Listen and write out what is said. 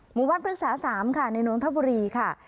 หมู่บ้านพฤกษา๓ค่ะในนนทบุรีค่ะ